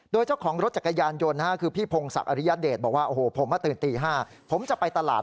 โดยเจ้าของรถจักรยานยนต์คือพี่พงศักดิอริยเดชบอกว่าโอ้โหผมมาตื่นตี๕ผมจะไปตลาด